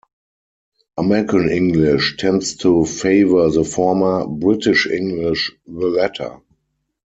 American English tends to favour the former, British English the latter.